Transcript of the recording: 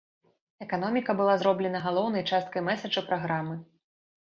Эканоміка была зроблена галоўнай часткай мэсэджа праграмы.